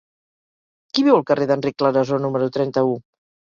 Qui viu al carrer d'Enric Clarasó número trenta-u?